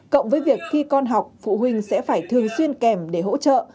cộng với việc khi con học phụ huynh sẽ phải thường xuyên kèm để hỗ trợ